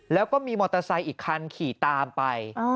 แล้วก็มีมอเตอร์ไซค์อีกคันขี่ตามไป